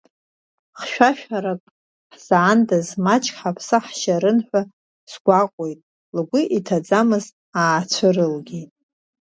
Хьшәашәарак ҳзаандаз, маҷк ҳԥсы ҳшьарын ҳәа сгәаҟуеит, лгәы иҭаӡамыз аацәырылгеит.